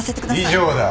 以上だ。